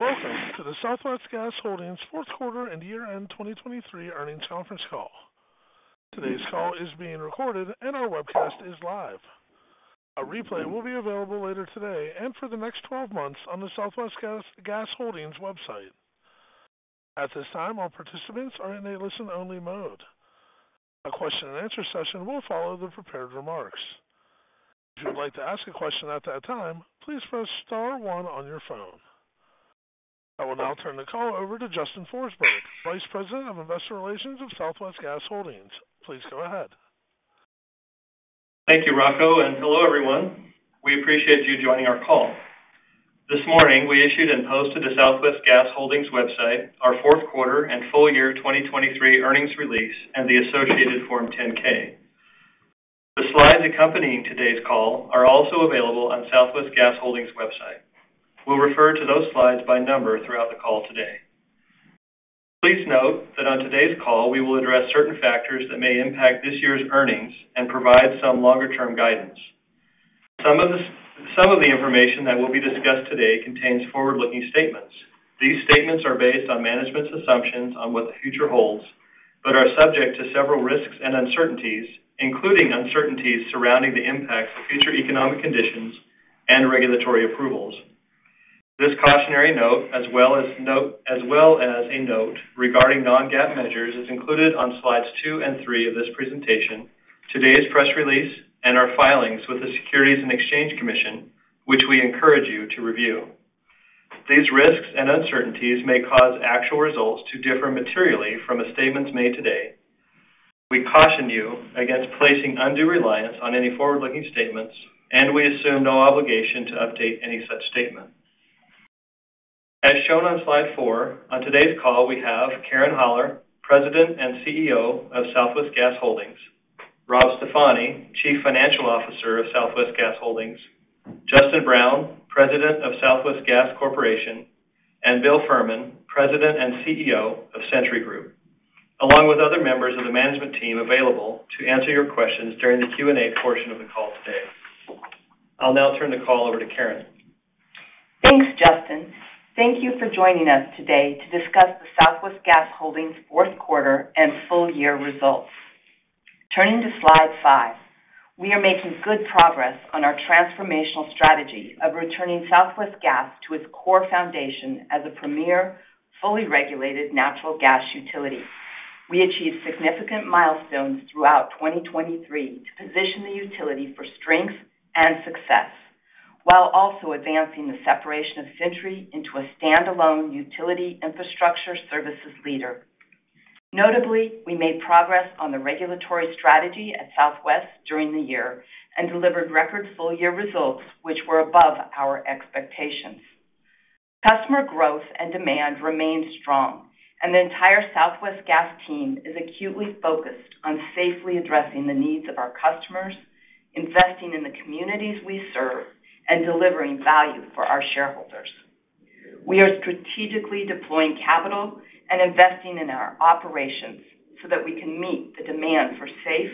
Welcome to the Southwest Gas Holdings fourth quarter and year-end 2023 earnings conference call. Today's call is being recorded and our webcast is live. A replay will be available later today and for the next 12 months on the Southwest Gas Holdings website. At this time, all participants are in a listen-only mode. A question-and-answer session will follow the prepared remarks. If you would like to ask a question at that time, please press *1 on your phone. I will now turn the call over to Justin Forsberg, Vice President of Investor Relations of Southwest Gas Holdings. Please go ahead. Thank you, Rocco, and hello everyone. We appreciate you joining our call. This morning, we issued and posted to the Southwest Gas Holdings website our fourth quarter and full year 2023 earnings release, and the associated Form 10-K. The slides accompanying today's call are also available on the Southwest Gas Holdings website. We'll refer to those slides by number throughout the call today. Please note that on today's call, we will address certain factors that may impact this year's earnings and provide some longer-term guidance. Some of the information that will be discussed today contains forward-looking statements. These statements are based on management's assumptions on what the future holds, but are subject to several risks and uncertainties, including uncertainties surrounding the impacts of future economic conditions and regulatory approvals. This cautionary note, as well as a note regarding non-GAAP measures, is included on slides 2 and 3 of this presentation, today's press release, and our filings with the Securities and Exchange Commission, which we encourage you to review. These risks and uncertainties may cause actual results to differ materially from the statements made today. We caution you against placing undue reliance on any forward-looking statements, and we assume no obligation to update any such statement. As shown on slide 4, on today's call we have Karen Haller, President and CEO of Southwest Gas Holdings, Rob Stefani, Chief Financial Officer of Southwest Gas Holdings, Justin Brown, President of Southwest Gas Corporation, and Bill Fehrman, President and CEO of Centuri Group, along with other members of the management team available to answer your questions during the Q&A portion of the call today. I'll now turn the call over to Karen. Thanks, Justin. Thank you for joining us today to discuss the Southwest Gas Holdings fourth quarter and full year results. Turning to slide 5, we are making good progress on our transformational strategy of returning Southwest Gas to its core foundation as a premier, fully regulated natural gas utility. We achieved significant milestones throughout 2023 to position the utility for strength and success, while also advancing the separation of Centuri into a standalone utility infrastructure services leader. Notably, we made progress on the regulatory strategy at Southwest during the year and delivered record full year results, which were above our expectations. Customer growth and demand remain strong, and the entire Southwest Gas team is acutely focused on safely addressing the needs of our customers, investing in the communities we serve, and delivering value for our shareholders. We are strategically deploying capital and investing in our operations so that we can meet the demand for safe,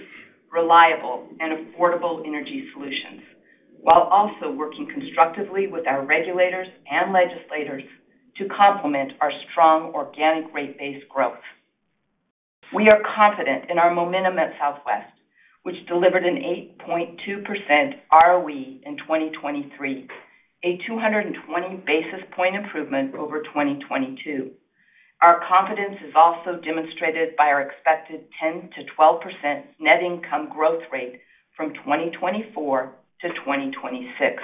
reliable, and affordable energy solutions, while also working constructively with our regulators and legislators to complement our strong organic rate-based growth. We are confident in our momentum at Southwest, which delivered an 8.2% ROE in 2023, a 220 basis point improvement over 2022. Our confidence is also demonstrated by our expected 10%-12% net income growth rate from 2024 to 2026.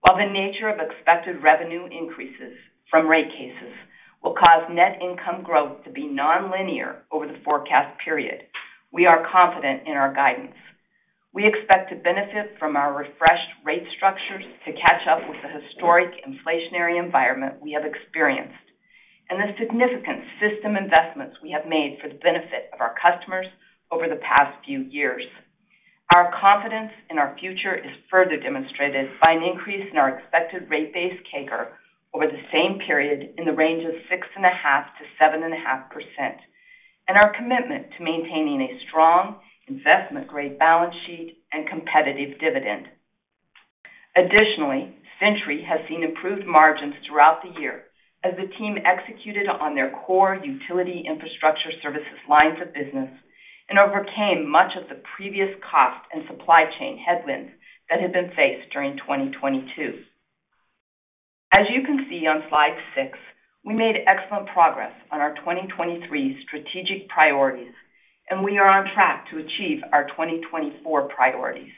While the nature of expected revenue increases from rate cases will cause net income growth to be non-linear over the forecast period, we are confident in our guidance. We expect to benefit from our refreshed rate structures to catch up with the historic inflationary environment we have experienced and the significant system investments we have made for the benefit of our customers over the past few years. Our confidence in our future is further demonstrated by an increase in our expected rate-based CAGR over the same period in the range of 6.5%-7.5% and our commitment to maintaining a strong investment-grade balance sheet and competitive dividend. Additionally, Centuri has seen improved margins throughout the year as the team executed on their core utility infrastructure services lines of business and overcame much of the previous cost and supply chain headwinds that had been faced during 2022. As you can see on slide 6, we made excellent progress on our 2023 strategic priorities, and we are on track to achieve our 2024 priorities.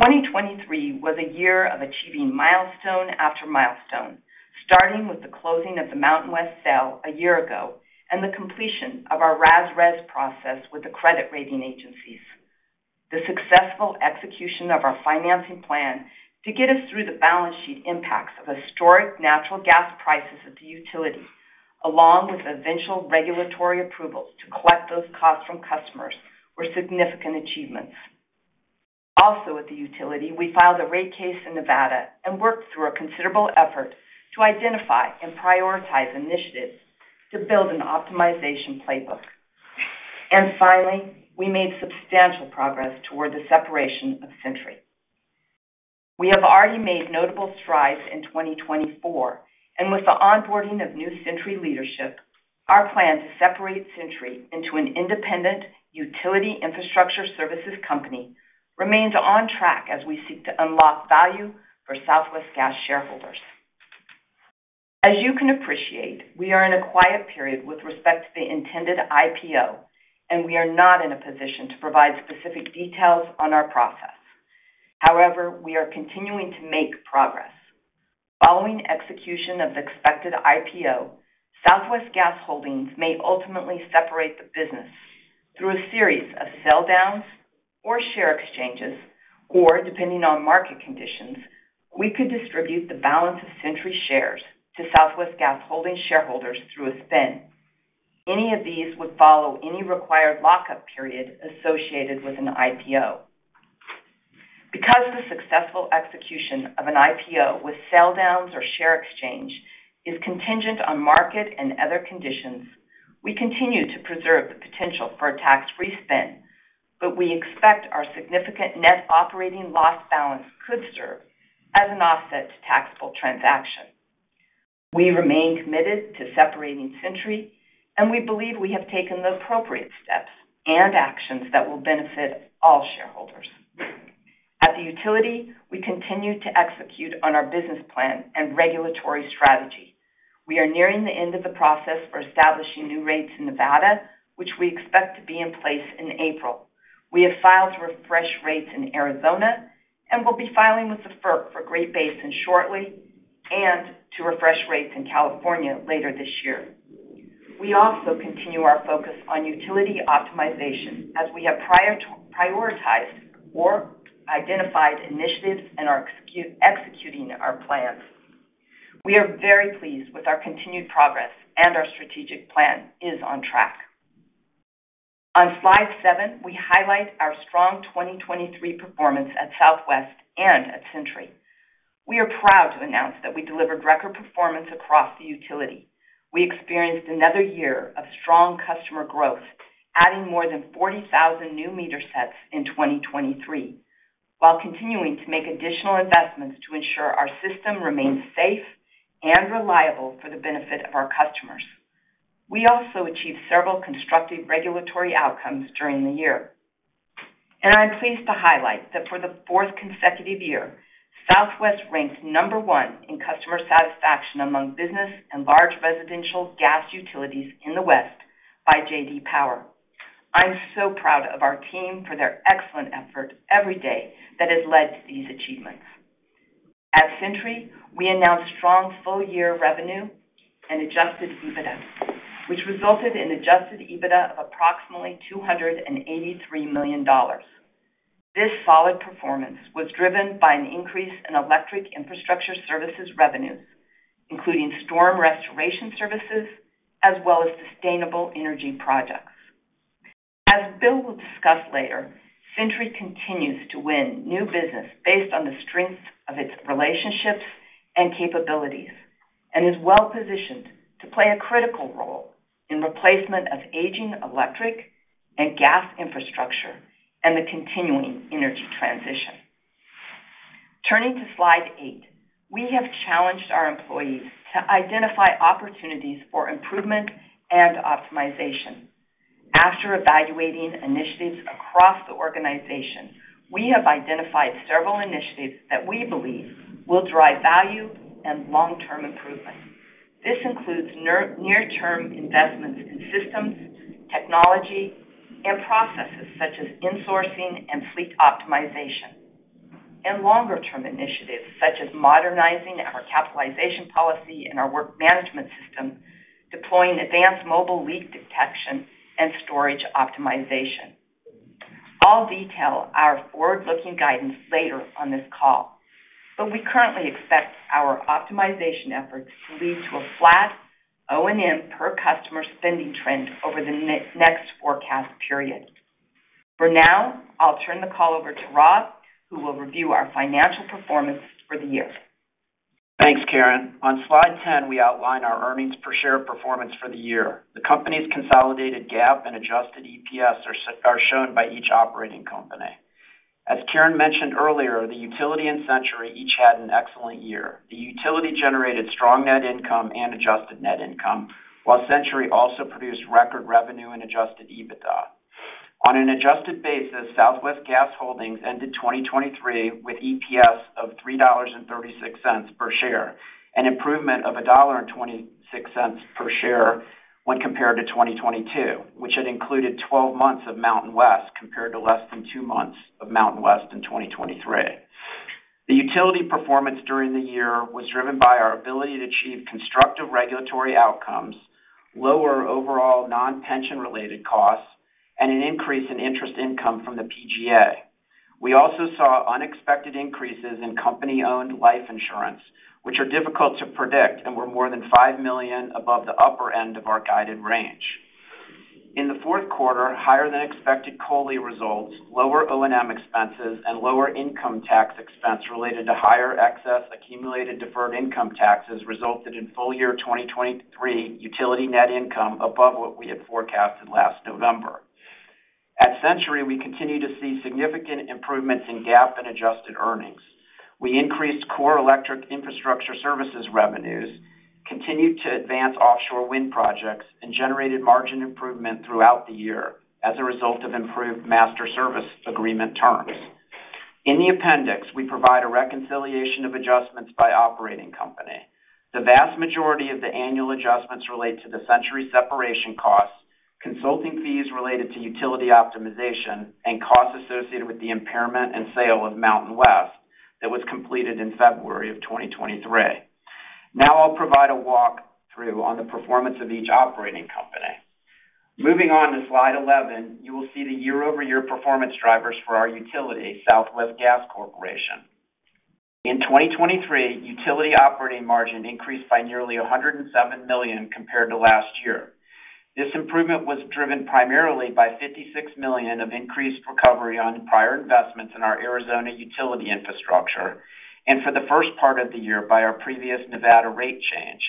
2023 was a year of achieving milestone after milestone, starting with the closing of the Mountain West sale a year ago and the completion of our RAS-RES process with the credit rating agencies. The successful execution of our financing plan to get us through the balance sheet impacts of historic natural gas prices at the utility, along with eventual regulatory approvals to collect those costs from customers, were significant achievements. Also, at the utility, we filed a rate case in Nevada and worked through a considerable effort to identify and prioritize initiatives to build an optimization playbook. And finally, we made substantial progress toward the separation of Centuri. We have already made notable strides in 2024, and with the onboarding of new Centuri leadership, our plan to separate Centuri into an independent utility infrastructure services company remains on track as we seek to unlock value for Southwest Gas shareholders. As you can appreciate, we are in a quiet period with respect to the intended IPO, and we are not in a position to provide specific details on our process. However, we are continuing to make progress. Following execution of the expected IPO, Southwest Gas Holdings may ultimately separate the business through a series of sell-downs or share exchanges, or, depending on market conditions, we could distribute the balance of Centuri shares to Southwest Gas Holdings shareholders through a spin. Any of these would follow any required lockup period associated with an IPO. Because the successful execution of an IPO with sell-downs or share exchange is contingent on market and other conditions, we continue to preserve the potential for a tax-free spin, but we expect our significant net operating loss balance could serve as an offset to taxable transactions. We remain committed to separating Centuri, and we believe we have taken the appropriate steps and actions that will benefit all shareholders. At the utility, we continue to execute on our business plan and regulatory strategy. We are nearing the end of the process for establishing new rates in Nevada, which we expect to be in place in April. We have filed to refresh rates in Arizona and will be filing with the FERC for Great Basin shortly and to refresh rates in California later this year. We also continue our focus on utility optimization as we have prioritized or identified initiatives and are executing our plans. We are very pleased with our continued progress, and our strategic plan is on track. On slide 7, we highlight our strong 2023 performance at Southwest and at Centuri. We are proud to announce that we delivered record performance across the utility. We experienced another year of strong customer growth, adding more than 40,000 new meter sets in 2023, while continuing to make additional investments to ensure our system remains safe and reliable for the benefit of our customers. We also achieved several constructive regulatory outcomes during the year. I'm pleased to highlight that for the fourth consecutive year, Southwest ranked number one in customer satisfaction among business and large residential gas utilities in the West by J.D. Power. I'm so proud of our team for their excellent effort every day that has led to these achievements. At Centuri, we announced strong full year revenue and adjusted EBITDA, which resulted in adjusted EBITDA of approximately $283 million. This solid performance was driven by an increase in electric infrastructure services revenues, including storm restoration services, as well as sustainable energy projects. As Bill will discuss later, Centuri continues to win new business based on the strengths of its relationships and capabilities and is well-positioned to play a critical role in replacement of aging electric and gas infrastructure and the continuing energy transition. Turning to slide 8, we have challenged our employees to identify opportunities for improvement and optimization. After evaluating initiatives across the organization, we have identified several initiatives that we believe will drive value and long-term improvement. This includes near-term investments in systems, technology, and processes such as insourcing and fleet optimization, and longer-term initiatives such as modernizing our capitalization policy and our work management system, deploying advanced mobile leak detection and storage optimization. I'll detail our forward-looking guidance later on this call, but we currently expect our optimization efforts to lead to a flat O&M per customer spending trend over the next forecast period. For now, I'll turn the call over to Rob, who will review our financial performance for the year. Thanks, Karen. On slide 10, we outline our earnings per share performance for the year. The company's consolidated GAAP and adjusted EPS are shown by each operating company. As Karen mentioned earlier, the utility and Centuri each had an excellent year. The utility generated strong net income and adjusted net income, while Centuri also produced record revenue and adjusted EBITDA. On an adjusted basis, Southwest Gas Holdings ended 2023 with EPS of $3.36 per share, an improvement of $1.26 per share when compared to 2022, which had included 12 months of Mountain West compared to less than two months of Mountain West in 2023. The utility performance during the year was driven by our ability to achieve constructive regulatory outcomes, lower overall non-pension-related costs, and an increase in interest income from the PGA. We also saw unexpected increases in company-owned life insurance, which are difficult to predict and were more than $5 million above the upper end of our guided range. In the fourth quarter, higher-than-expected COLI results, lower O&M expenses, and lower income tax expense related to higher excess accumulated deferred income taxes resulted in full year 2023 utility net income above what we had forecasted last November. At Centuri, we continue to see significant improvements in GAAP and adjusted earnings. We increased core electric infrastructure services revenues, continued to advance offshore wind projects, and generated margin improvement throughout the year as a result of improved Master Service Agreement terms. In the appendix, we provide a reconciliation of adjustments by operating company. The vast majority of the annual adjustments relate to the Centuri separation costs, consulting fees related to utility optimization, and costs associated with the impairment and sale of MountainWest that was completed in February of 2023. Now I'll provide a walk-through on the performance of each operating company. Moving on to slide 11, you will see the year-over-year performance drivers for our utility, Southwest Gas Corporation. In 2023, utility operating margin increased by nearly $107 million compared to last year. This improvement was driven primarily by $56 million of increased recovery on prior investments in our Arizona utility infrastructure and for the first part of the year by our previous Nevada rate change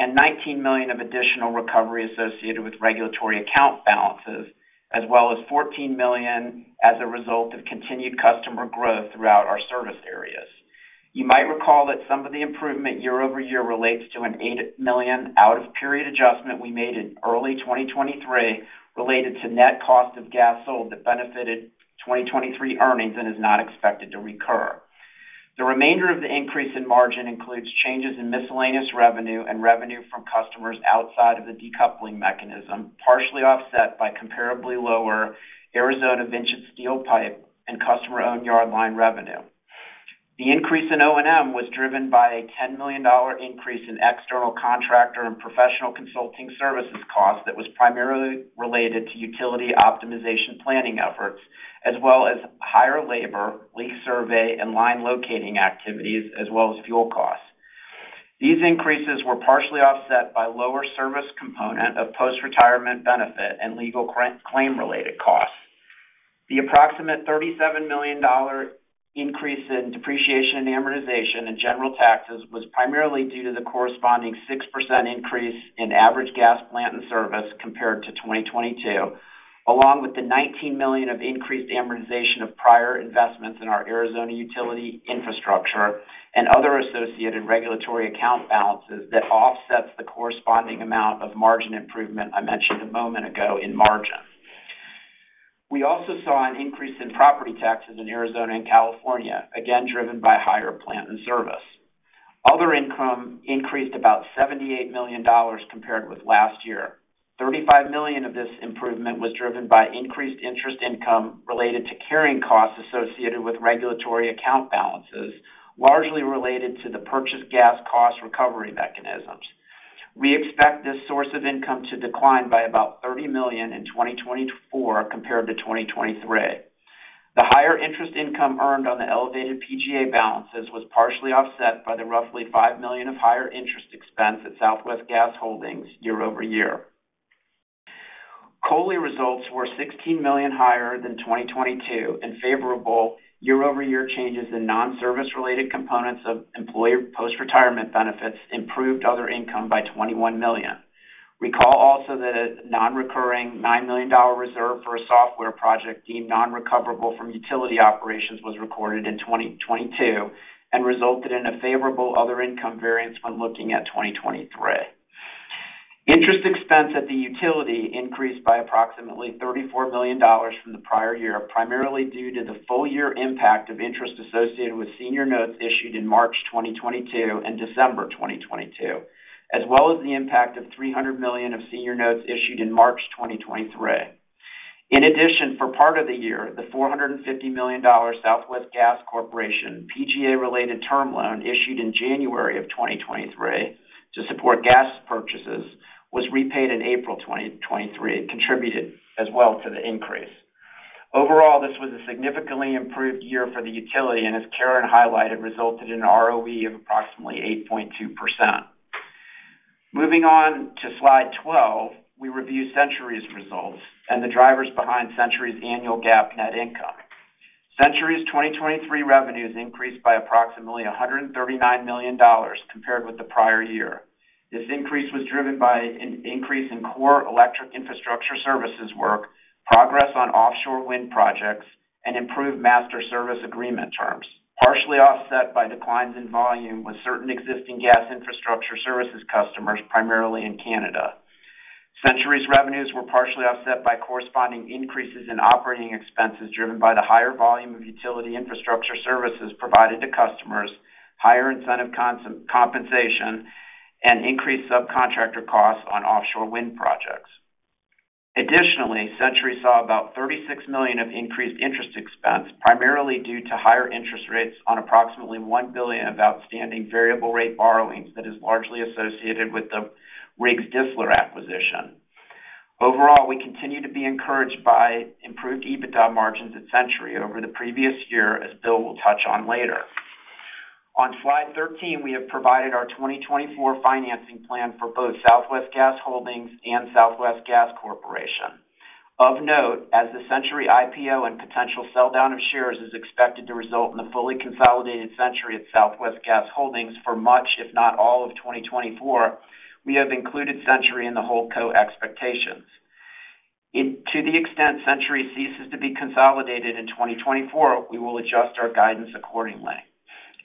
and $19 million of additional recovery associated with regulatory account balances, as well as $14 million as a result of continued customer growth throughout our service areas. You might recall that some of the improvement year-over-year relates to an $8 million out-of-period adjustment we made in early 2023 related to net cost of gas sold that benefited 2023 earnings and is not expected to recur. The remainder of the increase in margin includes changes in miscellaneous revenue and revenue from customers outside of the decoupling mechanism, partially offset by comparably lower Arizona vintage steel pipe and customer-owned yard line revenue. The increase in O&M was driven by a $10 million increase in external contractor and professional consulting services costs that was primarily related to utility optimization planning efforts, as well as higher labor, leak survey, and line locating activities, as well as fuel costs. These increases were partially offset by lower service component of post-retirement benefit and legal claim-related costs. The approximate $37 million increase in depreciation and amortization and general taxes was primarily due to the corresponding 6% increase in average gas plant and service compared to 2022, along with the $19 million of increased amortization of prior investments in our Arizona utility infrastructure and other associated regulatory account balances that offsets the corresponding amount of margin improvement I mentioned a moment ago in margin. We also saw an increase in property taxes in Arizona and California, again driven by higher plant and service. Other income increased about $78 million compared with last year. $35 million of this improvement was driven by increased interest income related to carrying costs associated with regulatory account balances, largely related to the purchased gas cost recovery mechanisms. We expect this source of income to decline by about $30 million in 2024 compared to 2023. The higher interest income earned on the elevated PGA balances was partially offset by the roughly $5 million of higher interest expense at Southwest Gas Holdings year-over-year. COLI results were $16 million higher than 2022 in favorable. Year-over-year changes in non-service-related components of employee post-retirement benefits improved other income by $21 million. Recall also that a non-recurring $9 million reserve for a software project deemed non-recoverable from utility operations was recorded in 2022 and resulted in a favorable other income variance when looking at 2023. Interest expense at the utility increased by approximately $34 million from the prior year, primarily due to the full-year impact of interest associated with senior notes issued in March 2022 and December 2022, as well as the impact of $300 million of senior notes issued in March 2023. In addition, for part of the year, the $450 million Southwest Gas Corporation PGA-related term loan issued in January of 2023 to support gas purchases was repaid in April 2023, contributed as well to the increase. Overall, this was a significantly improved year for the utility, and as Karen highlighted, resulted in an ROE of approximately 8.2%. Moving on to slide 12, we review Centuri's results and the drivers behind Centuri's annual GAAP net income. Centuri's 2023 revenues increased by approximately $139 million compared with the prior year. This increase was driven by an increase in core electric infrastructure services work, progress on offshore wind projects, and improved master service agreement terms, partially offset by declines in volume with certain existing gas infrastructure services customers, primarily in Canada. Centuri's revenues were partially offset by corresponding increases in operating expenses driven by the higher volume of utility infrastructure services provided to customers, higher incentive compensation, and increased subcontractor costs on offshore wind projects. Additionally, Centuri saw about $36 million of increased interest expense, primarily due to higher interest rates on approximately $1 billion of outstanding variable-rate borrowings that is largely associated with the Riggs Distler acquisition. Overall, we continue to be encouraged by improved EBITDA margins at Centuri over the previous year, as Bill will touch on later. On slide 13, we have provided our 2024 financing plan for both Southwest Gas Holdings and Southwest Gas Corporation. Of note, as the Centuri IPO and potential sell-down of shares is expected to result in the fully consolidated Centuri at Southwest Gas Holdings for much, if not all, of 2024, we have included Centuri in the whole-co expectations. To the extent Centuri ceases to be consolidated in 2024, we will adjust our guidance accordingly.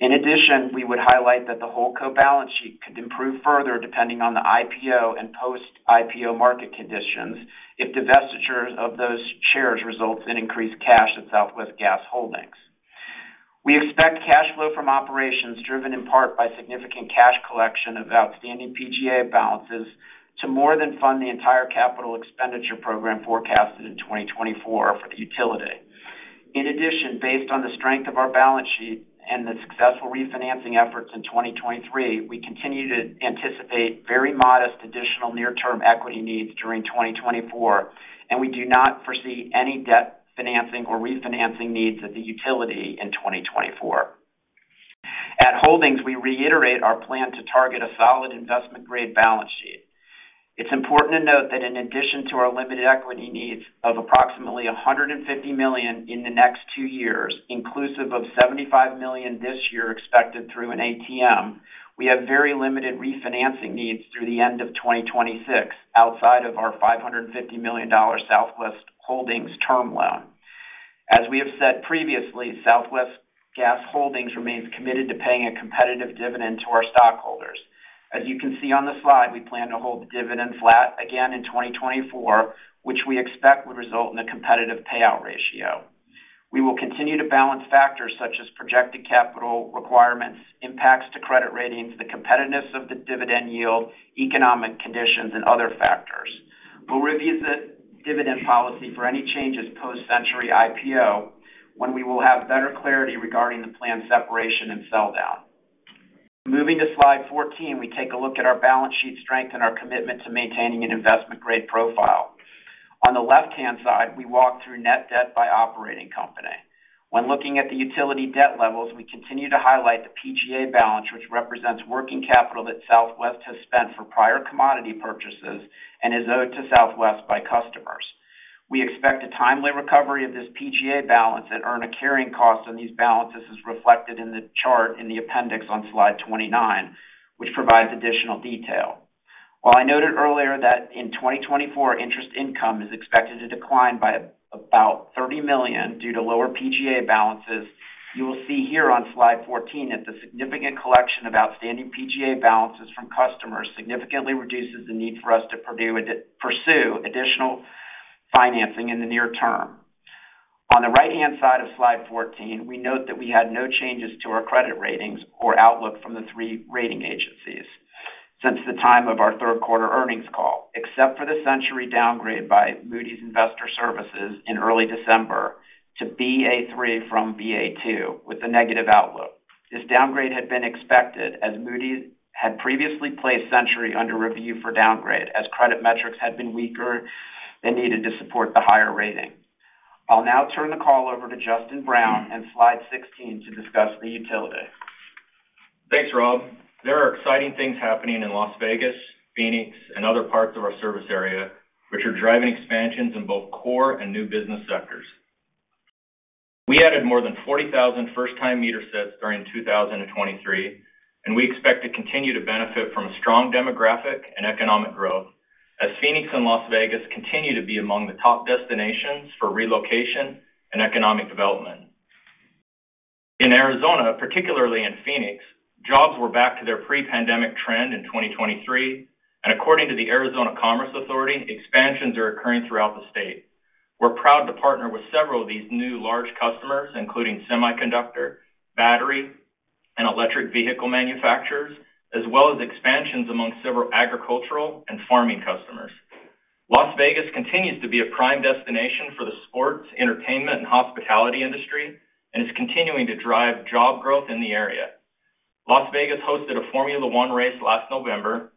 In addition, we would highlight that the whole-co balance sheet could improve further depending on the IPO and post-IPO market conditions if divestiture of those shares results in increased cash at Southwest Gas Holdings. We expect cash flow from operations, driven in part by significant cash collection of outstanding PGA balances, to more than fund the entire capital expenditure program forecasted in 2024 for the utility. In addition, based on the strength of our balance sheet and the successful refinancing efforts in 2023, we continue to anticipate very modest additional near-term equity needs during 2024, and we do not foresee any debt financing or refinancing needs at the utility in 2024. At Holdings, we reiterate our plan to target a solid investment-grade balance sheet. It's important to note that in addition to our limited equity needs of approximately $150 million in the next two years, inclusive of $75 million this year expected through an ATM, we have very limited refinancing needs through the end of 2026 outside of our $550 million Southwest Gas Holdings term loan. As we have said previously, Southwest Gas Holdings remains committed to paying a competitive dividend to our stockholders. As you can see on the slide, we plan to hold the dividend flat again in 2024, which we expect would result in a competitive payout ratio. We will continue to balance factors such as projected capital requirements, impacts to credit ratings, the competitiveness of the dividend yield, economic conditions, and other factors. We'll review the dividend policy for any changes post-Centuri IPO when we will have better clarity regarding the planned separation and sell-down. Moving to slide 14, we take a look at our balance sheet strength and our commitment to maintaining an investment-grade profile. On the left-hand side, we walk through net debt by operating company. When looking at the utility debt levels, we continue to highlight the PGA balance, which represents working capital that Southwest has spent for prior commodity purchases and is owed to Southwest by customers. We expect a timely recovery of this PGA balance and earn a carrying cost on these balances as reflected in the chart in the appendix on slide 29, which provides additional detail. While I noted earlier that in 2024, interest income is expected to decline by about $30 million due to lower PGA balances, you will see here on slide 14 that the significant collection of outstanding PGA balances from customers significantly reduces the need for us to pursue additional financing in the near term. On the right-hand side of slide 14, we note that we had no changes to our credit ratings or outlook from the three rating agencies since the time of our third-quarter earnings call, except for the Centuri downgrade by Moody's Investors Services in early December to Ba3 from Ba2 with a negative outlook. This downgrade had been expected as Moody's had previously placed Centuri under review for downgrade as credit metrics had been weaker than needed to support the higher rating. I'll now turn the call over to Justin Brown and slide 16 to discuss the utility. Thanks, Rob. There are exciting things happening in Las Vegas, Phoenix, and other parts of our service area, which are driving expansions in both core and new business sectors. We added more than 40,000 first-time meter sets during 2023, and we expect to continue to benefit from a strong demographic and economic growth as Phoenix and Las Vegas continue to be among the top destinations for relocation and economic development. In Arizona, particularly in Phoenix, jobs were back to their pre-pandemic trend in 2023, and according to the Arizona Commerce Authority, expansions are occurring throughout the state. We're proud to partner with several of these new large customers, including semiconductor, battery, and electric vehicle manufacturers, as well as expansions among several agricultural and farming customers. Las Vegas continues to be a prime destination for the sports, entertainment, and hospitality industry and is continuing to drive job growth in the area. Las Vegas hosted a Formula One race last November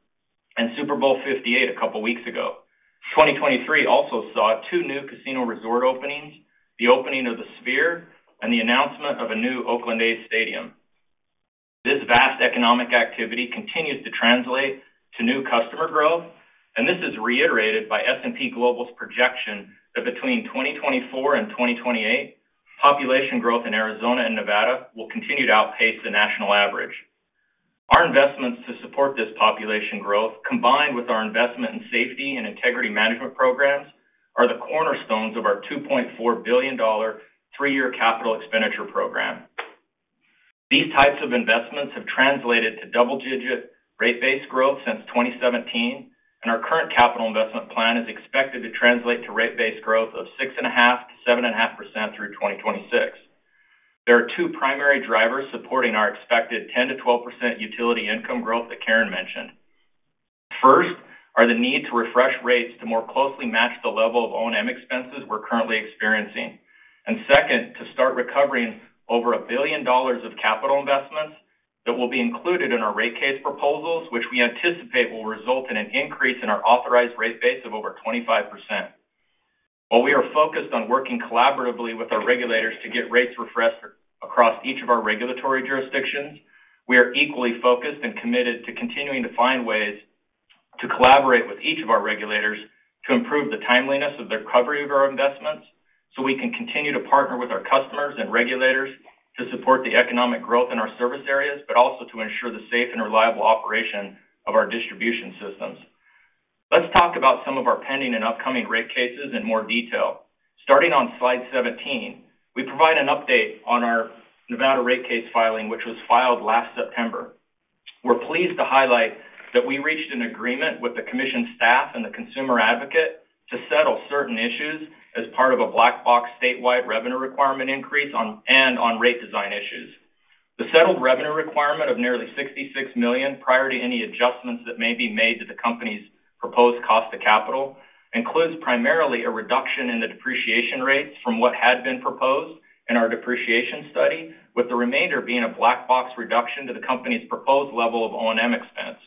and Super Bowl LVIII a couple of weeks ago. 2023 also saw two new casino resort openings, the opening of the Sphere, and the announcement of a new Oakland A's Stadium. This vast economic activity continues to translate to new customer growth, and this is reiterated by S&P Global's projection that between 2024 and 2028, population growth in Arizona and Nevada will continue to outpace the national average. Our investments to support this population growth, combined with our investment in safety and integrity management programs, are the cornerstones of our $2.4 billion three-year capital expenditure program. These types of investments have translated to double-digit rate-based growth since 2017, and our current capital investment plan is expected to translate to rate-based growth of 6.5%-7.5% through 2026. There are two primary drivers supporting our expected 10%-12% utility income growth that Karen mentioned. First are the need to refresh rates to more closely match the level of O&M expenses we're currently experiencing. And second, to start recovering over $1 billion of capital investments that will be included in our rate case proposals, which we anticipate will result in an increase in our authorized rate base of over 25%. While we are focused on working collaboratively with our regulators to get rates refreshed across each of our regulatory jurisdictions, we are equally focused and committed to continuing to find ways to collaborate with each of our regulators to improve the timeliness of the recovery of our investments so we can continue to partner with our customers and regulators to support the economic growth in our service areas, but also to ensure the safe and reliable operation of our distribution systems. Let's talk about some of our pending and upcoming rate cases in more detail. Starting on slide 17, we provide an update on our Nevada rate case filing, which was filed last September. We're pleased to highlight that we reached an agreement with the commission staff and the consumer advocate to settle certain issues as part of a black box statewide revenue requirement increase and on rate design issues. The settled revenue requirement of nearly $66 million prior to any adjustments that may be made to the company's proposed cost of capital includes primarily a reduction in the depreciation rates from what had been proposed in our depreciation study, with the remainder being a black box reduction to the company's proposed level of O&M expense.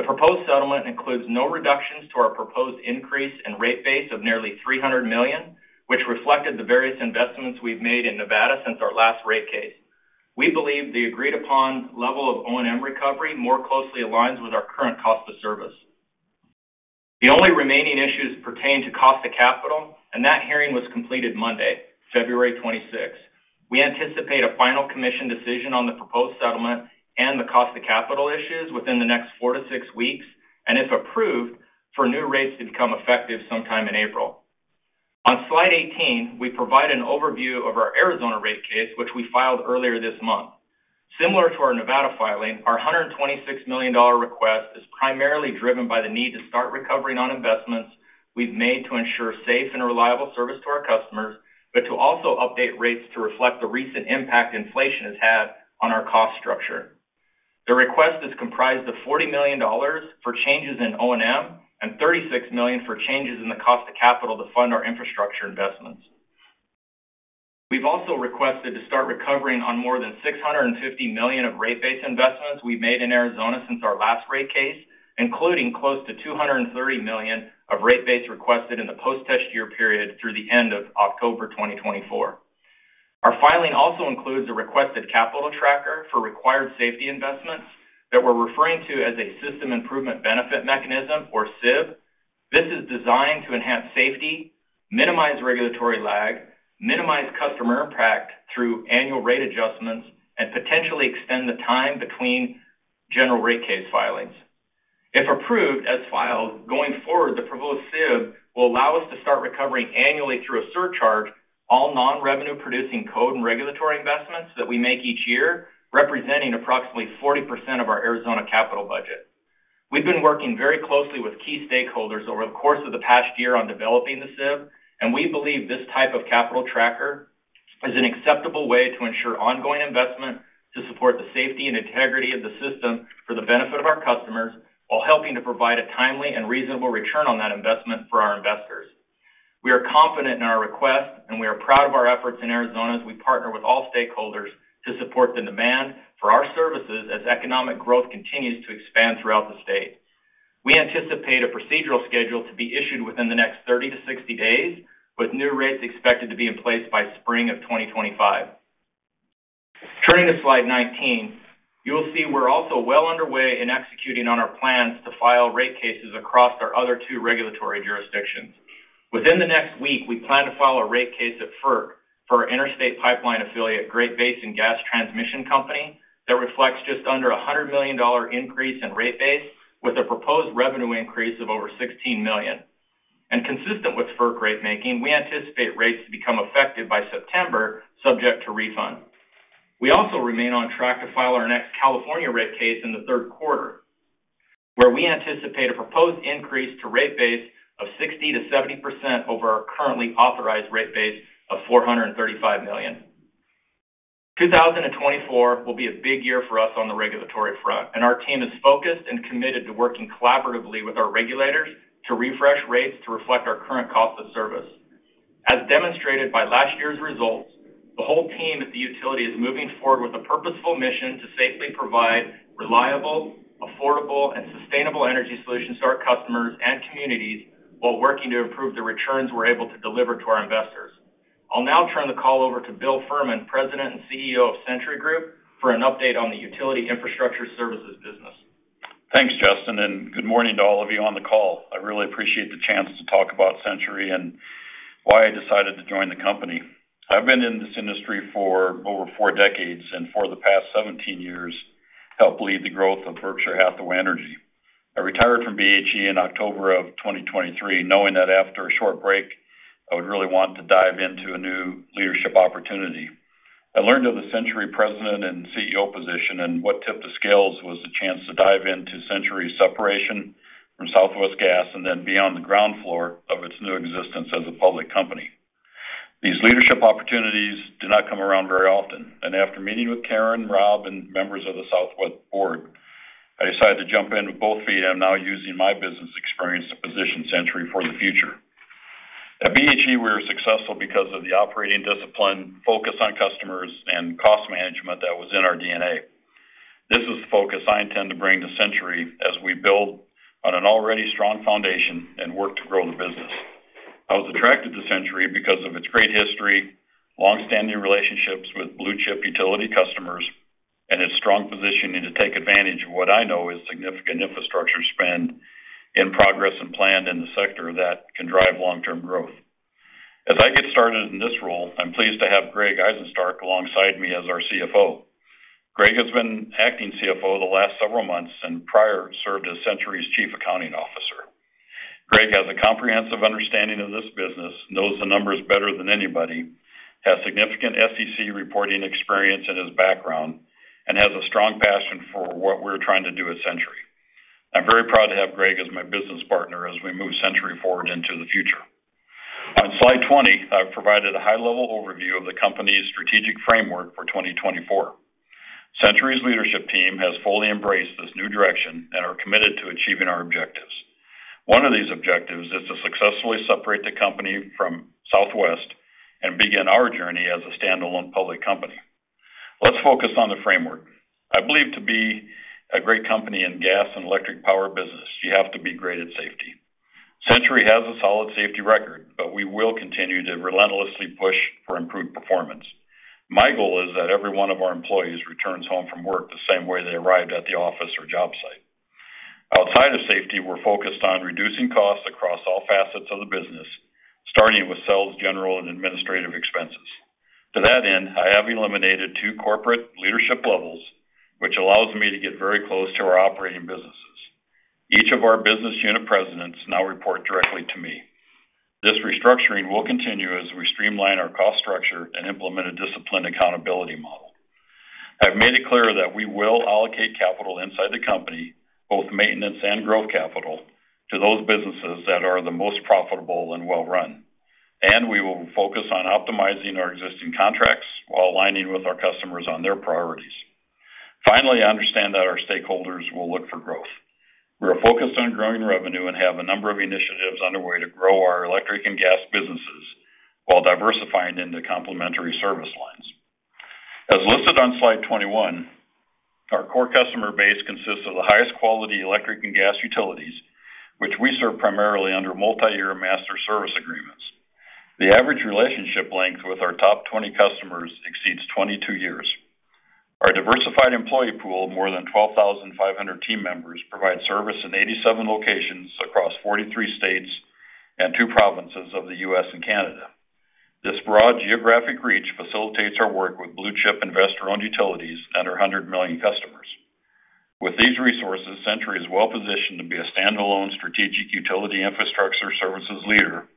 The proposed settlement includes no reductions to our proposed increase in rate base of nearly $300 million, which reflected the various investments we've made in Nevada since our last rate case. We believe the agreed-upon level of O&M recovery more closely aligns with our current cost of service. The only remaining issues pertain to cost of capital, and that hearing was completed Monday, February 26th. We anticipate a final commission decision on the proposed settlement and the cost of capital issues within the next 4-6 weeks, and if approved, for new rates to become effective sometime in April. On slide 18, we provide an overview of our Arizona rate case, which we filed earlier this month. Similar to our Nevada filing, our $126 million request is primarily driven by the need to start recovering on investments we've made to ensure safe and reliable service to our customers, but to also update rates to reflect the recent impact inflation has had on our cost structure. The request is comprised of $40 million for changes in O&M and $36 million for changes in the cost of capital to fund our infrastructure investments. We've also requested to start recovering on more than $650 million of rate-based investments we've made in Arizona since our last rate case, including close to $230 million of rate base requested in the post-test year period through the end of October 2024. Our filing also includes a requested capital tracker for required safety investments that we're referring to as a System Improvement Benefit mechanism, or SIB. This is designed to enhance safety, minimize regulatory lag, minimize customer impact through annual rate adjustments, and potentially extend the time between general rate case filings. If approved as filed going forward, the proposed SIB will allow us to start recovering annually through a surcharge all non-revenue producing code and regulatory investments that we make each year, representing approximately 40% of our Arizona capital budget. We've been working very closely with key stakeholders over the course of the past year on developing the SIB, and we believe this type of capital tracker is an acceptable way to ensure ongoing investment to support the safety and integrity of the system for the benefit of our customers while helping to provide a timely and reasonable return on that investment for our investors. We are confident in our request, and we are proud of our efforts in Arizona as we partner with all stakeholders to support the demand for our services as economic growth continues to expand throughout the state. We anticipate a procedural schedule to be issued within the next 30-60 days, with new rates expected to be in place by spring of 2025. Turning to slide 19, you will see we're also well underway in executing on our plans to file rate cases across our other two regulatory jurisdictions. Within the next week, we plan to file a rate case at FERC for our interstate pipeline affiliate, Great Basin Gas Transmission Company, that reflects just under a $100 million increase in rate base with a proposed revenue increase of over $16 million. Consistent with FERC rate making, we anticipate rates to become effective by September, subject to refund. We also remain on track to file our next California rate case in the third quarter, where we anticipate a proposed increase to rate base of 60%-70% over our currently authorized rate base of $435 million. 2024 will be a big year for us on the regulatory front, and our team is focused and committed to working collaboratively with our regulators to refresh rates to reflect our current cost of service. As demonstrated by last year's results, the whole team at the utility is moving forward with a purposeful mission to safely provide reliable, affordable, and sustainable energy solutions to our customers and communities while working to improve the returns we're able to deliver to our investors. I'll now turn the call over to Bill Fehrman, President and CEO of Centuri Group, for an update on the utility infrastructure services business. Thanks, Justin, and good morning to all of you on the call. I really appreciate the chance to talk about Centuri and why I decided to join the company. I've been in this industry for over four decades, and for the past 17 years, helped lead the growth of Berkshire Hathaway Energy. I retired from BHE in October of 2023, knowing that after a short break, I would really want to dive into a new leadership opportunity. I learned of the Centuri president and CEO position, and what tipped the scales was the chance to dive into Centuri's separation from Southwest Gas and then be on the ground floor of its new existence as a public company. These leadership opportunities do not come around very often, and after meeting with Karen, Rob, and members of the Southwest board, I decided to jump in with both feet and am now using my business experience to position Centuri for the future. At BHE, we were successful because of the operating discipline, focus on customers, and cost management that was in our DNA. This is the focus I intend to bring to Centuri as we build on an already strong foundation and work to grow the business. I was attracted to Centuri because of its great history, longstanding relationships with blue-chip utility customers, and its strong positioning to take advantage of what I know is significant infrastructure spend in progress and planned in the sector that can drive long-term growth. As I get started in this role, I'm pleased to have Greg Eisenstark alongside me as our CFO. Greg has been acting CFO the last several months and prior served as Centuri's chief accounting officer. Greg has a comprehensive understanding of this business, knows the numbers better than anybody, has significant SEC reporting experience in his background, and has a strong passion for what we're trying to do at Centuri. I'm very proud to have Greg as my business partner as we move Centuri forward into the future. On slide 20, I've provided a high-level overview of the company's strategic framework for 2024. Centuri's leadership team has fully embraced this new direction and are committed to achieving our objectives. One of these objectives is to successfully separate the company from Southwest and begin our journey as a standalone public company. Let's focus on the framework. I believe to be a great company in gas and electric power business, you have to be great at safety. Centuri has a solid safety record, but we will continue to relentlessly push for improved performance. My goal is that every one of our employees returns home from work the same way they arrived at the office or job site. Outside of safety, we're focused on reducing costs across all facets of the business, starting with sales, general, and administrative expenses. To that end, I have eliminated two corporate leadership levels, which allows me to get very close to our operating businesses. Each of our business unit presidents now report directly to me. This restructuring will continue as we streamline our cost structure and implement a disciplined accountability model. I've made it clear that we will allocate capital inside the company, both maintenance and growth capital, to those businesses that are the most profitable and well-run, and we will focus on optimizing our existing contracts while aligning with our customers on their priorities. Finally, I understand that our stakeholders will look for growth. We are focused on growing revenue and have a number of initiatives underway to grow our electric and gas businesses while diversifying into complementary service lines. As listed on slide 21, our core customer base consists of the highest quality electric and gas utilities, which we serve primarily under multi-year master service agreements. The average relationship length with our top 20 customers exceeds 22 years. Our diversified employee pool of more than 12,500 team members provides service in 87 locations across 43 states and two provinces of the U.S. and Canada. This broad geographic reach facilitates our work with blue-chip investor-owned utilities and our 100 million customers. With these resources, Centuri is well-positioned to be a standalone strategic utility infrastructure services leader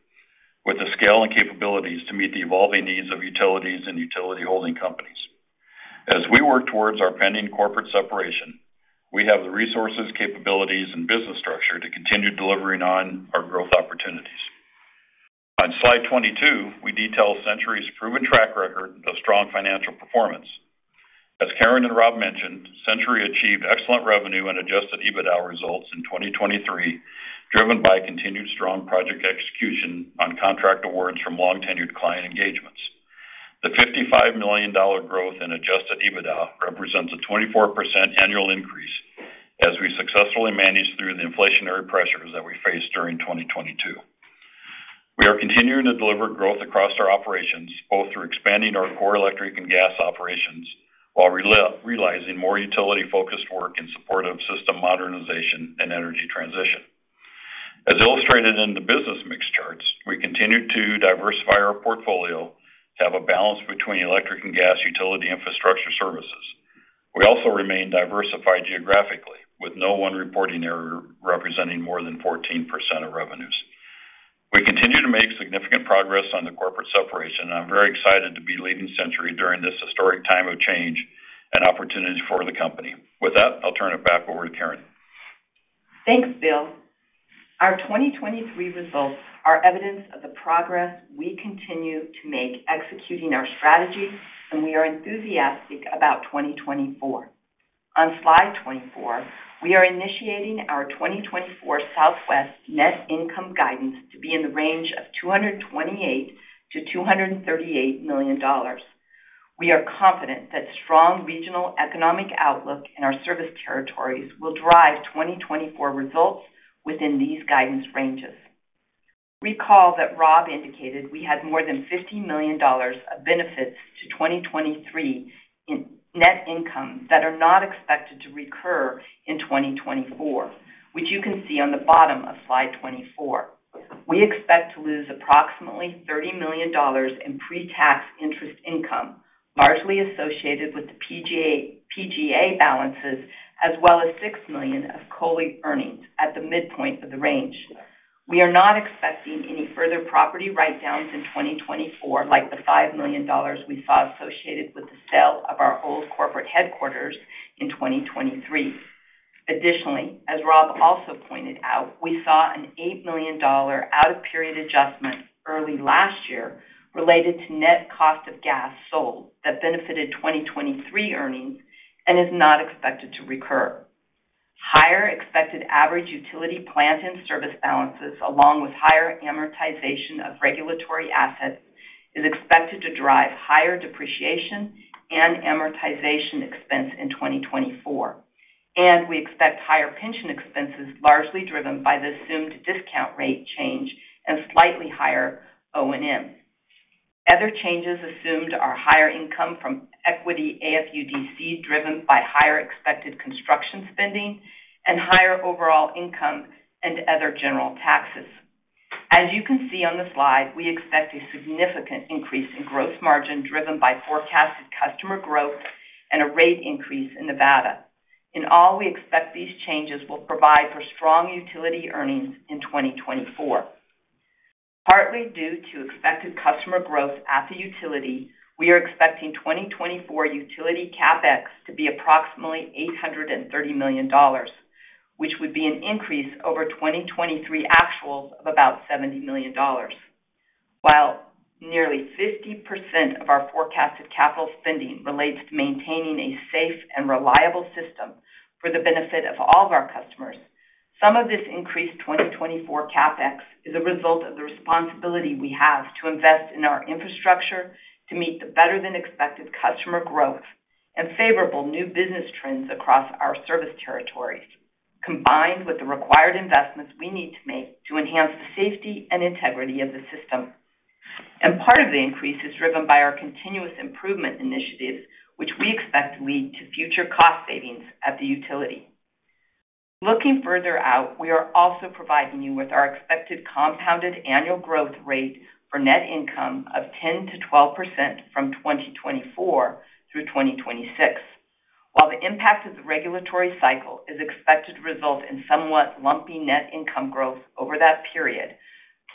with the scale and capabilities to meet the evolving needs of utilities and utility holding companies. As we work towards our pending corporate separation, we have the resources, capabilities, and business structure to continue delivering on our growth opportunities. On slide 22, we detail Centuri's proven track record of strong financial performance. As Karen and Rob mentioned, Centuri achieved excellent revenue and adjusted EBITDA results in 2023, driven by continued strong project execution on contract awards from long-tenured client engagements. The $55 million growth in adjusted EBITDA represents a 24% annual increase as we successfully manage through the inflationary pressures that we faced during 2022. We are continuing to deliver growth across our operations, both through expanding our core electric and gas operations while realizing more utility-focused work in support of system modernization and energy transition. As illustrated in the business mix charts, we continue to diversify our portfolio to have a balance between electric and gas utility infrastructure services. We also remain diversified geographically, with no one reporting area representing more than 14% of revenues. We continue to make significant progress on the corporate separation, and I'm very excited to be leading Centuri during this historic time of change and opportunity for the company. With that, I'll turn it back over to Karen. Thanks, Bill. Our 2023 results are evidence of the progress we continue to make executing our strategy, and we are enthusiastic about 2024. On slide 24, we are initiating our 2024 Southwest net income guidance to be in the range of $228 million-$238 million. We are confident that strong regional economic outlook in our service territories will drive 2024 results within these guidance ranges. Recall that Rob indicated we had more than $50 million of benefits to 2023 in net income that are not expected to recur in 2024, which you can see on the bottom of slide 24. We expect to lose approximately $30 million in pre-tax interest income, largely associated with the PGA balances, as well as $6 million of COLI earnings at the midpoint of the range. We are not expecting any further property write-downs in 2024 like the $5 million we saw associated with the sale of our old corporate headquarters in 2023. Additionally, as Rob also pointed out, we saw an $8 million out-of-period adjustment early last year related to net cost of gas sold that benefited 2023 earnings and is not expected to recur. Higher expected average utility plant and service balances, along with higher amortization of regulatory assets, is expected to drive higher depreciation and amortization expense in 2024, and we expect higher pension expenses largely driven by the assumed discount rate change and slightly higher O&M. Other changes assumed are higher income from equity AFUDC driven by higher expected construction spending and higher overall income and other general taxes. As you can see on the slide, we expect a significant increase in gross margin driven by forecasted customer growth and a rate increase in Nevada. In all, we expect these changes will provide for strong utility earnings in 2024. Partly due to expected customer growth at the utility, we are expecting 2024 utility CapEx to be approximately $830 million, which would be an increase over 2023 actuals of about $70 million. While nearly 50% of our forecasted capital spending relates to maintaining a safe and reliable system for the benefit of all of our customers, some of this increased 2024 CapEx is a result of the responsibility we have to invest in our infrastructure to meet the better-than-expected customer growth and favorable new business trends across our service territories, combined with the required investments we need to make to enhance the safety and integrity of the system. Part of the increase is driven by our continuous improvement initiatives, which we expect to lead to future cost savings at the utility. Looking further out, we are also providing you with our expected compounded annual growth rate for net income of 10%-12% from 2024 through 2026. While the impact of the regulatory cycle is expected to result in somewhat lumpy net income growth over that period,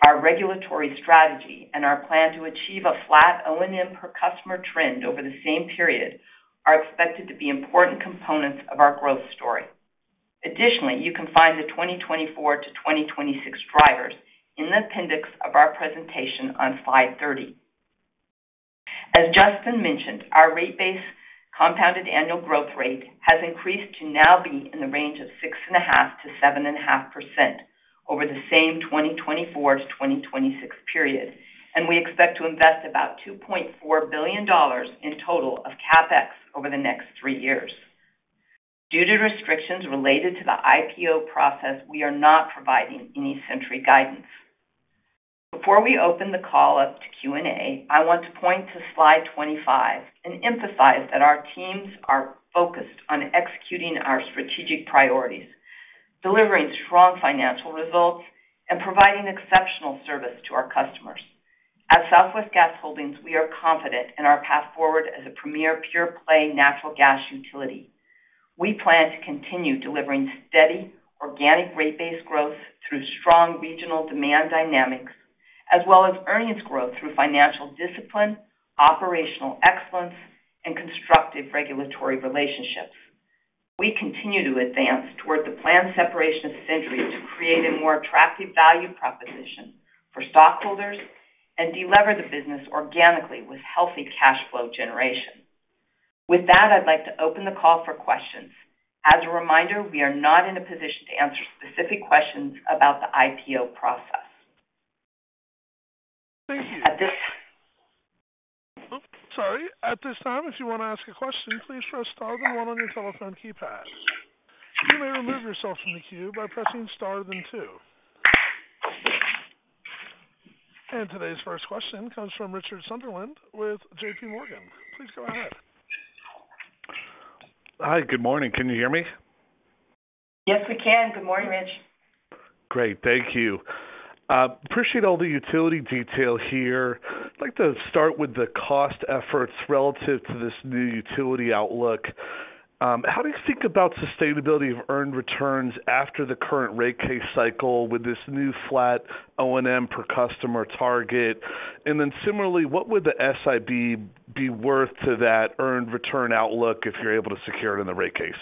our regulatory strategy and our plan to achieve a flat O&M per customer trend over the same period are expected to be important components of our growth story. Additionally, you can find the 2024 to 2026 drivers in the appendix of our presentation on slide 30. As Justin mentioned, our rate-based compounded annual growth rate has increased to now be in the range of 6.5%-7.5% over the same 2024 to 2026 period, and we expect to invest about $2.4 billion in total of CapEx over the next three years. Due to restrictions related to the IPO process, we are not providing any Centuri guidance. Before we open the call up to Q&A, I want to point to slide 25 and emphasize that our teams are focused on executing our strategic priorities, delivering strong financial results, and providing exceptional service to our customers. At Southwest Gas Holdings, we are confident in our path forward as a premier pure-play natural gas utility. We plan to continue delivering steady organic rate-based growth through strong regional demand dynamics, as well as earnings growth through financial discipline, operational excellence, and constructive regulatory relationships. We continue to advance toward the planned separation of Centuri to create a more attractive value proposition for stockholders and delever the business organically with healthy cash flow generation. With that, I'd like to open the call for questions. As a reminder, we are not in a position to answer specific questions about the IPO process. Thank you. At this time, if you want to ask a question, please press star, then one on your telephone keypad. You may remove yourself from the queue by pressing star, then two. And today's first question comes from Richard Sunderland with JPMorgan. Please go ahead. Hi. Good morning. Can you hear me? Yes, we can. Good morning, Rich. Great. Thank you. Appreciate all the utility detail here. I'd like to start with the cost efforts relative to this new utility outlook. How do you think about sustainability of earned returns after the current rate case cycle with this new flat O&M per customer target? And then similarly, what would the SIB be worth to that earned return outlook if you're able to secure it in the rate case?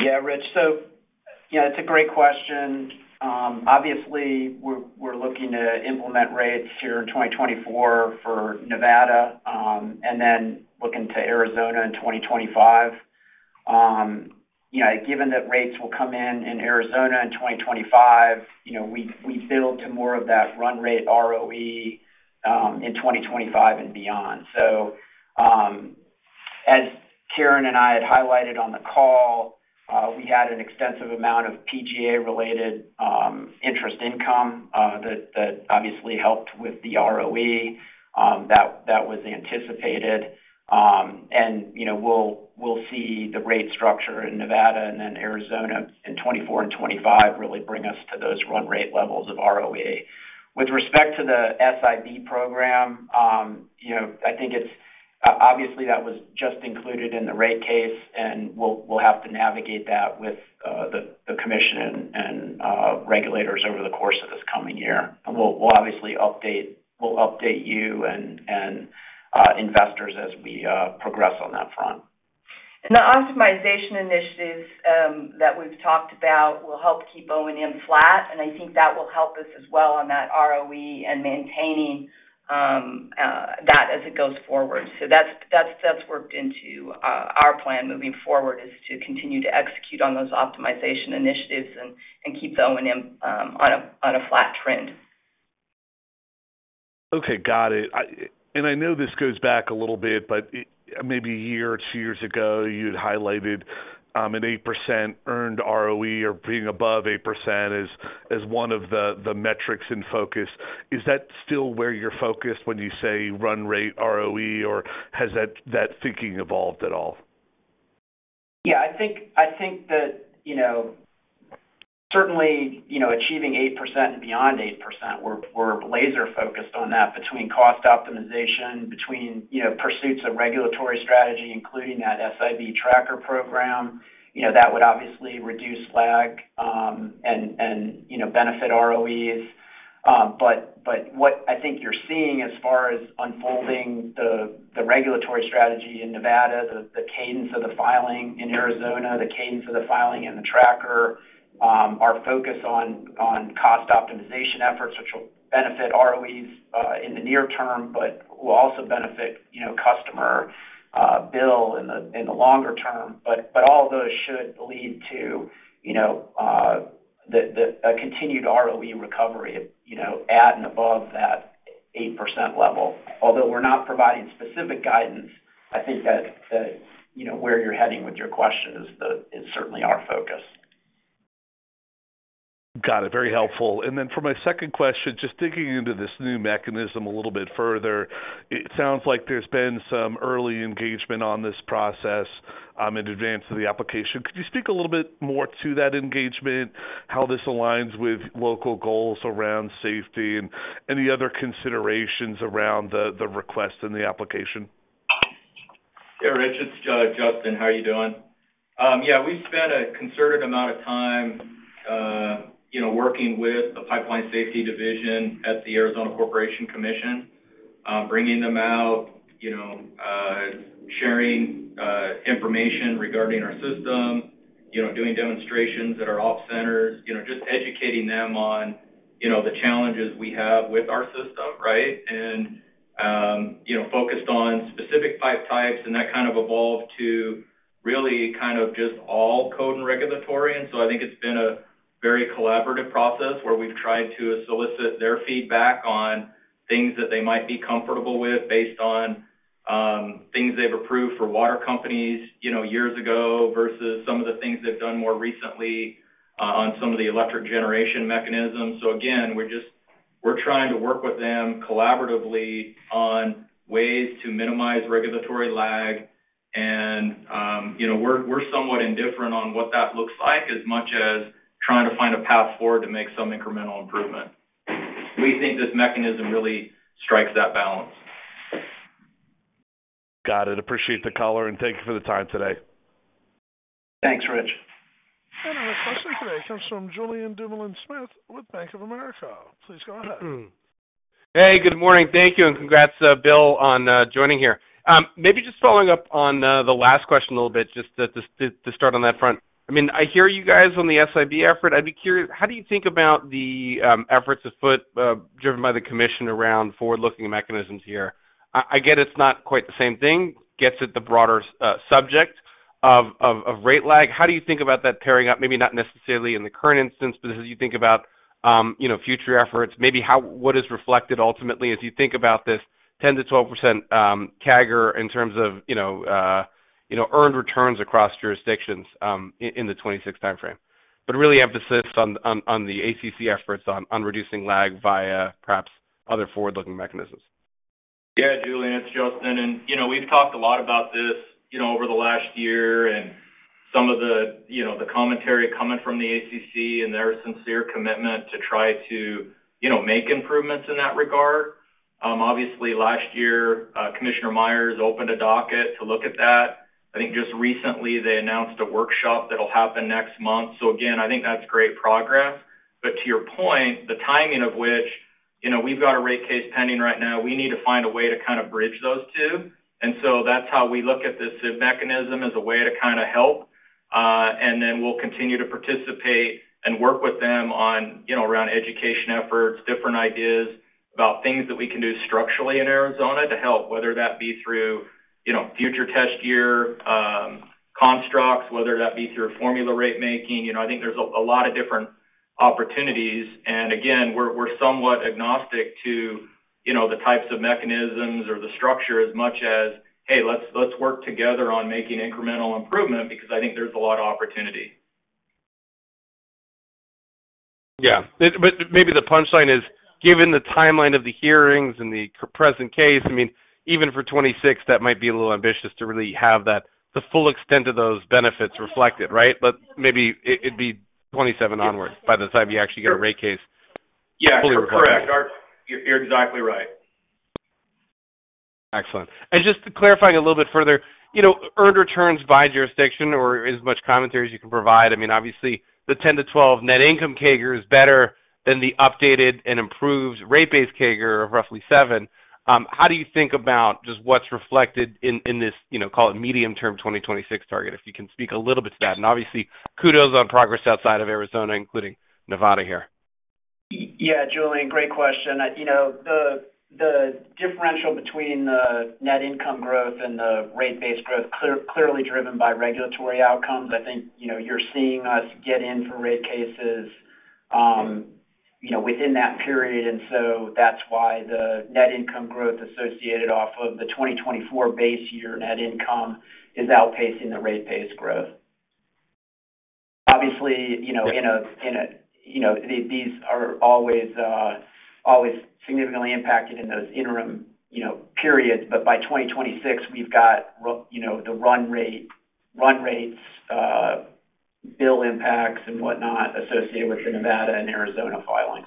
Yeah, Rich. So it's a great question. Obviously, we're looking to implement rates here in 2024 for Nevada and then looking to Arizona in 2025. Given that rates will come in in Arizona in 2025, we build to more of that run rate ROE in 2025 and beyond. So as Karen and I had highlighted on the call, we had an extensive amount of PGA-related interest income that obviously helped with the ROE. That was anticipated. And we'll see the rate structure in Nevada and then Arizona in 2024 and 2025 really bring us to those run rate levels of ROE. With respect to the SIB program, I think it's obviously, that was just included in the rate case, and we'll have to navigate that with the commission and regulators over the course of this coming year. And we'll obviously update you and investors as we progress on that front. The optimization initiatives that we've talked about will help keep O&M flat, and I think that will help us as well on that ROE and maintaining that as it goes forward. That's worked into our plan moving forward is to continue to execute on those optimization initiatives and keep the O&M on a flat trend. Okay. Got it. And I know this goes back a little bit, but maybe a year or two years ago, you had highlighted an 8% earned ROE or being above 8% as one of the metrics in focus. Is that still where you're focused when you say run rate ROE, or has that thinking evolved at all? Yeah. I think that certainly achieving 8% and beyond 8%, we're laser-focused on that between cost optimization, between pursuits of regulatory strategy, including that SIB tracker program. That would obviously reduce lag and benefit ROEs. But what I think you're seeing as far as unfolding the regulatory strategy in Nevada, the cadence of the filing in Arizona, the cadence of the filing in the tracker, our focus on cost optimization efforts, which will benefit ROEs in the near term but will also benefit customer bill in the longer term. But all of those should lead to a continued ROE recovery at and above that 8% level. Although we're not providing specific guidance, I think that where you're heading with your question is certainly our focus. Got it. Very helpful. And then for my second question, just digging into this new mechanism a little bit further, it sounds like there's been some early engagement on this process in advance of the application. Could you speak a little bit more to that engagement, how this aligns with local goals around safety, and any other considerations around the request in the application? Yeah, Rich. It's Justin. How are you doing? Yeah, we've spent a concerted amount of time working with the Pipeline Safety Division at the Arizona Corporation Commission, bringing them out, sharing information regarding our system, doing demonstrations at our op centers, just educating them on the challenges we have with our system, right, and focused on specific pipe types. That kind of evolved to really kind of just all code and regulatory. So I think it's been a very collaborative process where we've tried to solicit their feedback on things that they might be comfortable with based on things they've approved for water companies years ago versus some of the things they've done more recently on some of the electric generation mechanisms. So again, we're trying to work with them collaboratively on ways to minimize regulatory lag. We're somewhat indifferent on what that looks like as much as trying to find a path forward to make some incremental improvement. We think this mechanism really strikes that balance. Got it. Appreciate the caller, and thank you for the time today. Thanks, Rich. Our question today comes from Julien Dumoulin-Smith with Bank of America. Please go ahead. Hey. Good morning. Thank you and congrats, Bill, on joining here. Maybe just following up on the last question a little bit, just to start on that front. I mean, I hear you guys on the SIB effort. I'd be curious, how do you think about the efforts driven by the commission around forward-looking mechanisms here? I get it's not quite the same thing. Gets at the broader subject of rate lag. How do you think about that pairing up? Maybe not necessarily in the current instance, but as you think about future efforts, maybe what is reflected ultimately as you think about this 10%-12% CAGR in terms of earned returns across jurisdictions in the 2026 timeframe, but really emphasis on the ACC efforts on reducing lag via perhaps other forward-looking mechanisms? Yeah, Julien. It's Justin. And we've talked a lot about this over the last year and some of the commentary coming from the ACC and their sincere commitment to try to make improvements in that regard. Obviously, last year, Commissioner Myers opened a docket to look at that. I think just recently, they announced a workshop that'll happen next month. So again, I think that's great progress. But to your point, the timing of which we've got a rate case pending right now. We need to find a way to kind of bridge those two. And so that's how we look at this SIB mechanism as a way to kind of help. And then we'll continue to participate and work with them around education efforts, different ideas about things that we can do structurally in Arizona to help, whether that be through future test year constructs, whether that be through formula rate making. I think there's a lot of different opportunities. Again, we're somewhat agnostic to the types of mechanisms or the structure as much as, "Hey, let's work together on making incremental improvement," because I think there's a lot of opportunity. Yeah. But maybe the punchline is, given the timeline of the hearings and the present case, I mean, even for 2026, that might be a little ambitious to really have the full extent of those benefits reflected, right? But maybe it'd be 2027 onward by the time you actually get a rate case fully reflected. Yeah. Correct. You're exactly right. Excellent. Just clarifying a little bit further, earned returns by jurisdiction or as much commentary as you can provide. I mean, obviously, the 10%-12% net income CAGR is better than the updated and improved rate-based CAGR of roughly 7%. How do you think about just what's reflected in this, call it, medium-term 2026 target? If you can speak a little bit to that. And obviously, kudos on progress outside of Arizona, including Nevada here. Yeah, Julien. Great question. The differential between the net income growth and the rate-based growth, clearly driven by regulatory outcomes. I think you're seeing us get in for rate cases within that period. And so that's why the net income growth associated off of the 2024 base year net income is outpacing the rate-based growth. Obviously, in a these are always significantly impacted in those interim periods. But by 2026, we've got the run rates, bill impacts, and whatnot associated with the Nevada and Arizona filings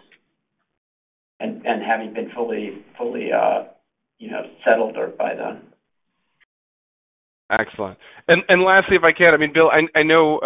and having been fully settled by then. Excellent. Lastly, if I can, I mean, Bill, I know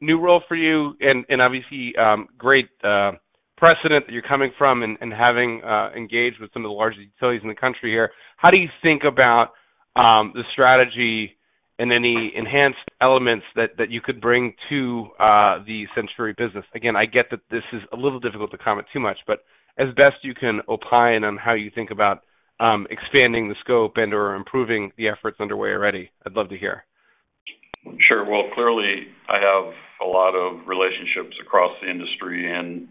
new role for you and obviously, great precedent that you're coming from and having engaged with some of the larger utilities in the country here. How do you think about the strategy and any enhanced elements that you could bring to the Centuri business? Again, I get that this is a little difficult to comment too much, but as best you can opine on how you think about expanding the scope and/or improving the efforts underway already. I'd love to hear. Sure. Well, clearly, I have a lot of relationships across the industry and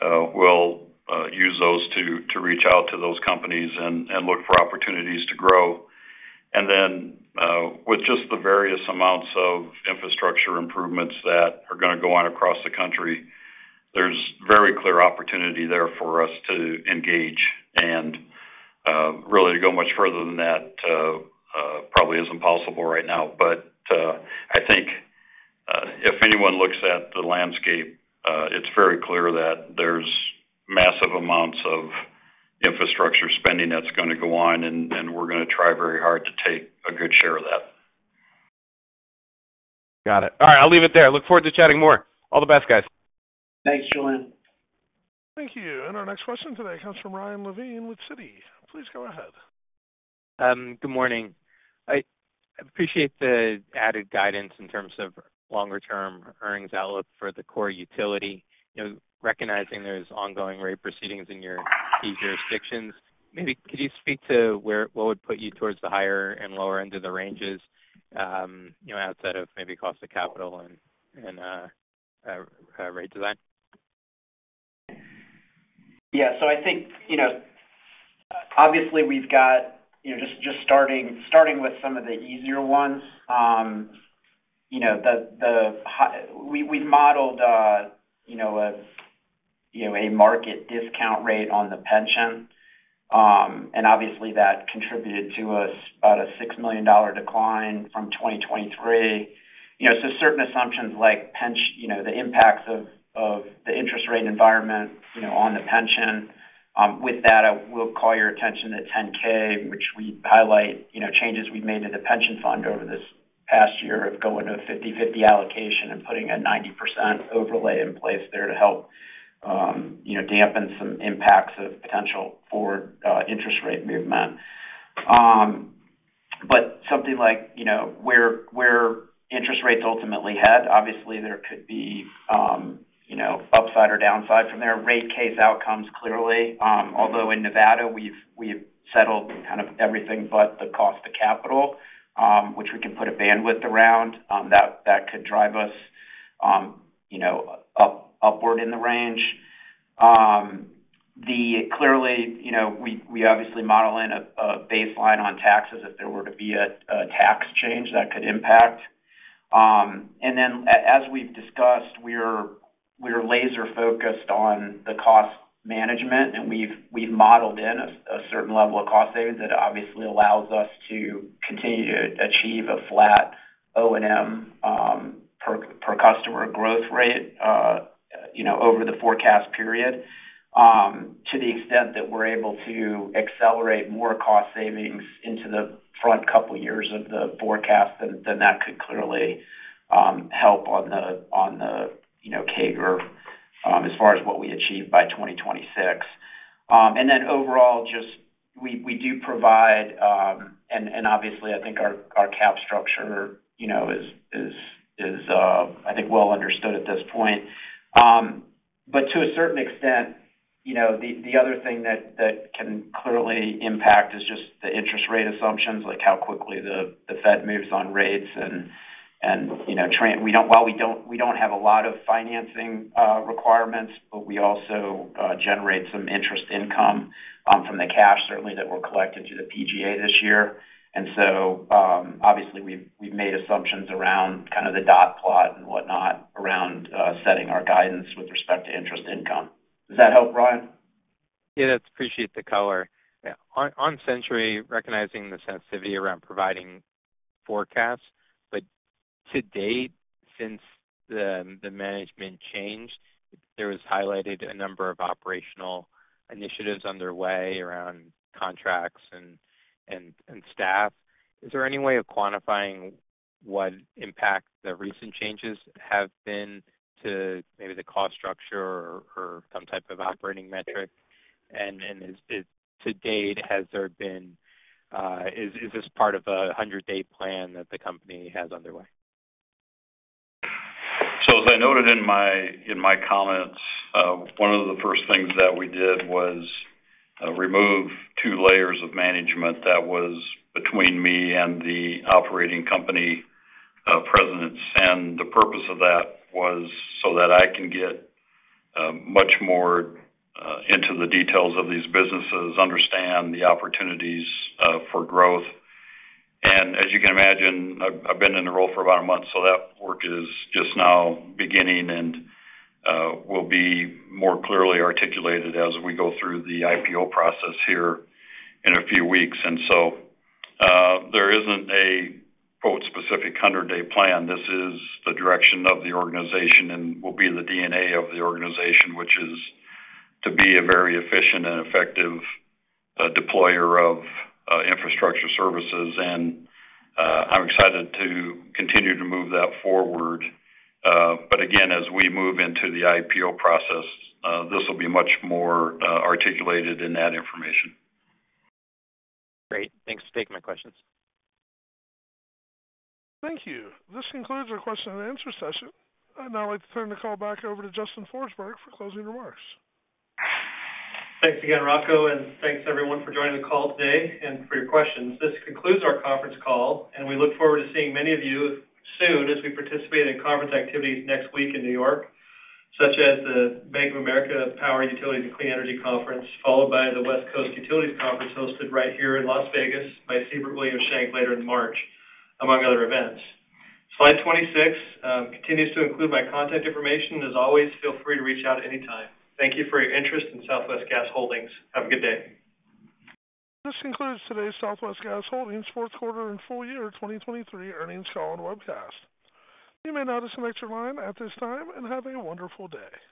will use those to reach out to those companies and look for opportunities to grow. And then with just the various amounts of infrastructure improvements that are going to go on across the country, there's very clear opportunity there for us to engage and really to go much further than that probably isn't possible right now. But I think if anyone looks at the landscape, it's very clear that there's massive amounts of infrastructure spending that's going to go on, and we're going to try very hard to take a good share of that. Got it. All right. I'll leave it there. Look forward to chatting more. All the best, guys. Thanks, Julien. Thank you. Our next question today comes from Ryan Levine with Citi. Please go ahead. Good morning. I appreciate the added guidance in terms of longer-term earnings outlook for the core utility, recognizing there's ongoing rate proceedings in your key jurisdictions. Maybe could you speak to what would put you towards the higher and lower end of the ranges outside of maybe cost of capital and rate design? Yeah. So I think obviously, we've got just starting with some of the easier ones, we've modeled a market discount rate on the pension. And obviously, that contributed to us about a $6 million decline from 2023. So certain assumptions like the impacts of the interest rate environment on the pension. With that, I will call your attention to 10-K, which we highlight changes we've made to the pension fund over this past year of going to a 50/50 allocation and putting a 90% overlay in place there to help dampen some impacts of potential forward interest rate movement. But something like where interest rates ultimately head, obviously, there could be upside or downside from there. Rate case outcomes, clearly. Although in Nevada, we've settled kind of everything but the cost of capital, which we can put a bandwidth around, that could drive us upward in the range. Clearly, we obviously model in a baseline on taxes if there were to be a tax change that could impact. And then as we've discussed, we're laser-focused on the cost management, and we've modeled in a certain level of cost savings that obviously allows us to continue to achieve a flat O&M per customer growth rate over the forecast period to the extent that we're able to accelerate more cost savings into the front couple of years of the forecast than that could clearly help on the CAGR as far as what we achieve by 2026. And then overall, just we do provide and obviously, I think our cap structure is, I think, well understood at this point. But to a certain extent, the other thing that can clearly impact is just the interest rate assumptions, like how quickly the Fed moves on rates. While we don't have a lot of financing requirements, but we also generate some interest income from the cash, certainly, that we're collecting through the PGA this year. So obviously, we've made assumptions around kind of the dot plot and whatnot around setting our guidance with respect to interest income. Does that help, Ryan? Yeah. I appreciate the color. On Centuri, recognizing the sensitivity around providing forecasts, but to date, since the management changed, there was highlighted a number of operational initiatives underway around contracts and staff. Is there any way of quantifying what impact the recent changes have been to maybe the cost structure or some type of operating metric? And to date, is this part of a 100-day plan that the company has underway? As I noted in my comments, one of the first things that we did was remove two layers of management that was between me and the operating company president. The purpose of that was so that I can get much more into the details of these businesses, understand the opportunities for growth. As you can imagine, I've been in the role for about a month, so that work is just now beginning and will be more clearly articulated as we go through the IPO process here in a few weeks. There isn't a "specific 100-day plan." This is the direction of the organization and will be the DNA of the organization, which is to be a very efficient and effective deployer of infrastructure services. I'm excited to continue to move that forward. But again, as we move into the IPO process, this will be much more articulated in that information. Great. Thanks for taking my questions. Thank you. This concludes our question and answer session. I'd now like to turn the call back over to Justin Forsberg for closing remarks. Thanks again, Rocco. And thanks, everyone, for joining the call today and for your questions. This concludes our conference call, and we look forward to seeing many of you soon as we participate in conference activities next week in New York, such as the Bank of America Power Utilities and Clean Energy Conference, followed by the West Coast Utilities Conference hosted right here in Las Vegas by Siebert Williams Shank later in March, among other events. Slide 26 continues to include my contact information. As always, feel free to reach out anytime. Thank you for your interest in Southwest Gas Holdings. Have a good day. This concludes today's Southwest Gas Holdings fourth quarter and full year 2023 earnings call and webcast. You may disconnect your lines at this time. Have a wonderful day.